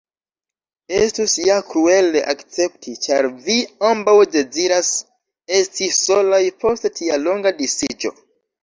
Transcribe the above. Estus ja kruele akcepti, ĉar vi ambaŭ deziras esti solaj post tia longa disiĝo.